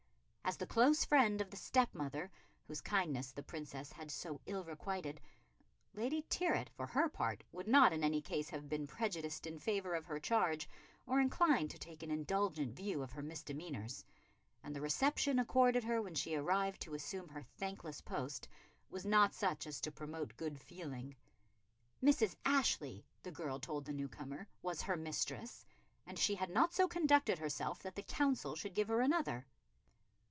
As the close friend of the step mother whose kindness the Princess had so ill requited, Lady Tyrwhitt, for her part, would not in any case have been prejudiced in favour of her charge, or inclined to take an indulgent view of her misdemeanours; and the reception accorded her when she arrived to assume her thankless post was not such as to promote good feeling. Mrs. Ashley, the girl told the new comer, was her mistress, and she had not so conducted herself that the Council should give her another.